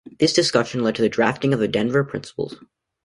This discussion led to the drafting of The Denver Principles.